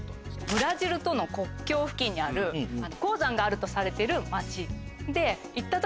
ブラジルとの国境付近にある鉱山があるとされてる町。